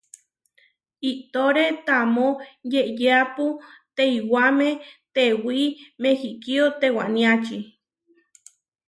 Iʼtóre tamó yeʼyeápu teiwamé tewí Mehikío tewaniači.